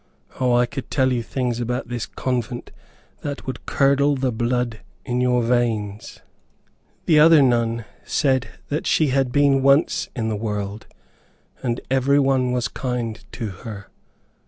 O, I could tell you things about this convent that would curdle the blood in your veins." The other nun said that she had been once in the world, and every one was kind to her.